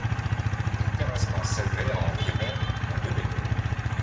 Les terrassements s'élevaient à environ, dont de déblais.